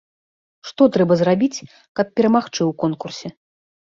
Што трэба зрабіць, каб перамагчы ў конкурсе?